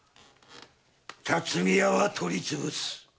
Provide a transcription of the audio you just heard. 巽屋は取り潰す。